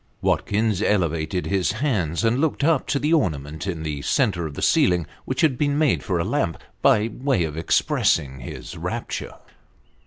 Watkins elevated his hands, and looked up to the orna ment in the centre of the ceiling, which had been made for a lamp, by way of expressing his rapture.